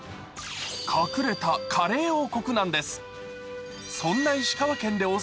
隠れたカレー王国なんです。